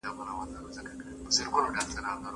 خواړه باید منظم وخوړل شي.